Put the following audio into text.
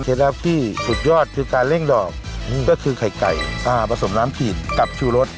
ลับที่สุดยอดคือการเร่งดอกก็คือไข่ไก่อ่าผสมน้ำขีดกับชูรส